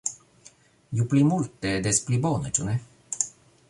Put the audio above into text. Ju pli multe, des pli bone, ĉu ne?